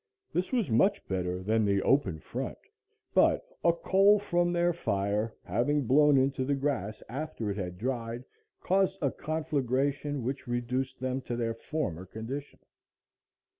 This was much better than the open front, but a coal from their fire having blown into the grass after it had dried, caused a conflagration which reduced them to their former condition.